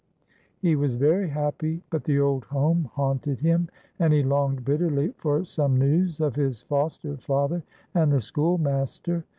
He was very happy, but the old home haunted him, and he longed bitterly for some news of his foster father and the schoolmaster.